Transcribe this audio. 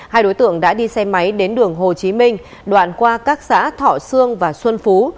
hai đối tượng đã đi xe máy đến đường hồ chí minh đoạn qua các xã thọ sương và xuân phú